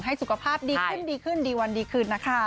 ให้สุขภาพดีขึ้นดีวันดีคืนนะคะ